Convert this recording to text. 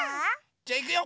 じゃあいくよ。